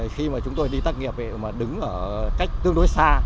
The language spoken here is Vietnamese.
khi mà chúng tôi đi tác nghiệp mà đứng ở cách tương đối xa